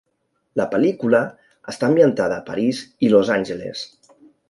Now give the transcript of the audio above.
La pel·lícula està ambientada a París i Los Angeles.